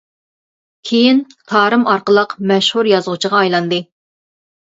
كىيىن «تارىم» ئارقىلىق مەشھۇر يازغۇچىغا ئايلاندى.